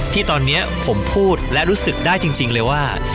ที่ตอนนี้ผมพูดและรู้สึกได้จริงเลยว่า